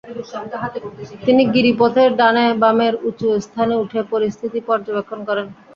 তিনি গিরিপথের ডানে-বামের উঁচু স্থানে উঠে পরিস্থিতি পর্যবেক্ষণ করেন।